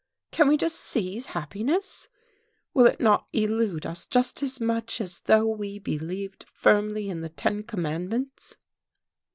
Can we just seize happiness? Will it not elude us just as much as though we believed firmly in the ten commandments?"